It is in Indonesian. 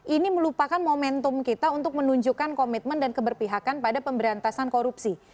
ini melupakan momentum kita untuk menunjukkan komitmen dan keberpihakan pada pemberantasan korupsi